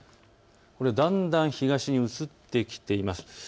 だんだん東に移ってきています。